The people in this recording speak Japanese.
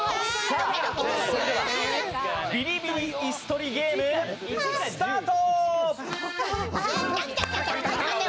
「ビリビリイス取りゲーム」スタート！